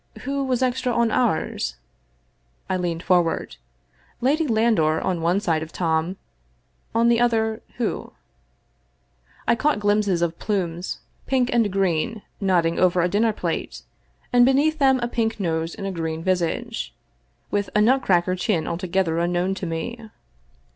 Who was extra on ours ? I leaned forward. Lady Landor on one side of Tom, on the other who? I caught glimpses of plumes pink and green nodding over a dinner plate, and beneath them a pink nose in a green visage with a nutcracker chin altogether unknown to me.